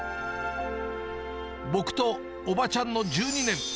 ボクとおばちゃんの１２年。